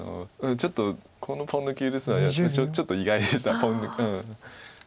ちょっとこのポン抜き許すのはちょっと意外でした。